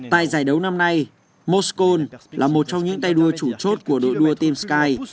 tại giải đấu năm nay moscon là một trong những tay đua chủ chốt của đội đua team sky